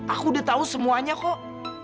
aku udah tahu semuanya kok